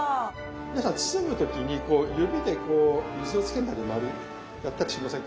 皆さん包む時に指でこう水をつけたり周りやったりしませんか？